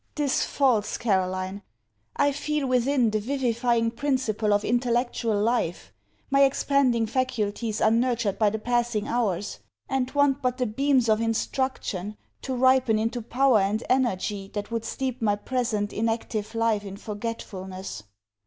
'Tis false, Caroline! I feel within the vivifying principle of intellectual life. My expanding faculties are nurtured by the passing hours! and want but the beams of instruction, to ripen into power and energy that would steep my present inactive life in forgetfulness.